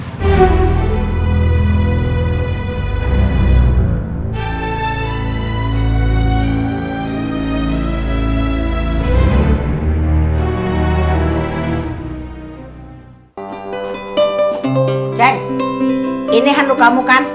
eh ce ini handuk kamu kan